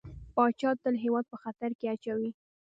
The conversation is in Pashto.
پاچا تل هيواد په خطر کې اچوي .